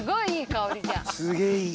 すげぇいい。